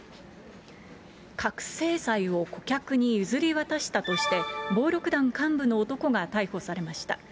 覚醒剤を顧客に譲り渡したとして、暴力団幹部の男が逮捕されました。